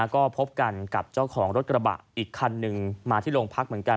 ก็พบกันกับเจ้าของรถกระบะอีกคันหนึ่งมาที่โรงพักเหมือนกัน